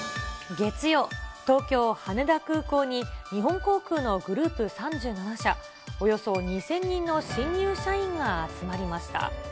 月曜、東京・羽田空港に日本航空のグループ３７社、およそ２０００人の新入社員が集まりました。